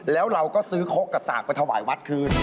แล้วเราก็ซื้อคกกับสากไปถวายวัดคืน